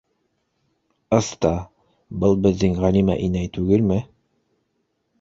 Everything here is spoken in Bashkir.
Ыста, был беҙҙең Ғәлимә инәй түгелме?